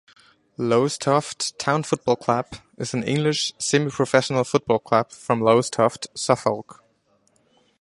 Lowestoft Town Football Club is an English semi-professional football club from Lowestoft, Suffolk.